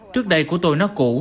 trước đây của tôi nó cũ